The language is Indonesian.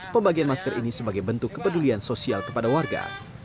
pembagian masker ini sebagai bentuk kepedulian sosial kepada warga